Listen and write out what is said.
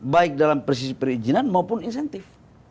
baik dalam posisi perizinan maupun insentif